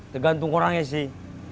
tergantung orangnya sih